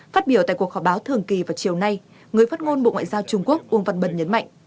phát biểu tại cuộc họp báo thường kỳ vào chiều nay người phát ngôn bộ ngoại giao trung quốc uông văn bân nhấn mạnh